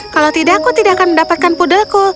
kalau tidak aku tidak akan mendapatkan pudelku